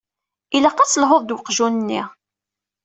Ilaq ad d-telhuḍ d uqjun-nni.